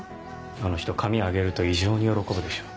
あの人紙あげると異常に喜ぶでしょ。